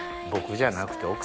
僕じゃなくて。